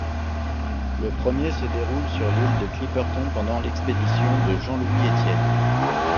Le premier se déroule sur l'île de Clipperton pendant l'expédition de Jean-Louis Étienne.